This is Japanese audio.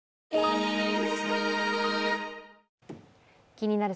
「気になる！